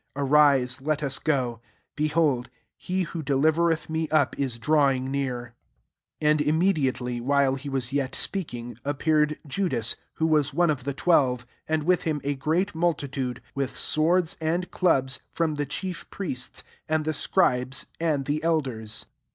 42 Arise, let us go ; behold, he who delivers eth me up is drawing near." 43 Akd immediately, while * Set »0C« OB Mitt. aCTi«*S4. 100 MARK XIV. he was yet speaking, appeared Judasy [vfho wub] one of the twelve, and with him a great multitude, with swords and clubs, from the diief priests, and the soribes, and the elders.